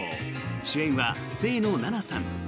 主演は清野菜名さん。